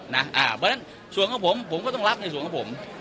เพราะฉะนั้นส่วนของผมผมก็ต้องรับในส่วนของผม